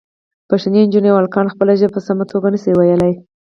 پښتنې نجونې او هلکان خپله ژبه په سمه توګه نه شي ویلی.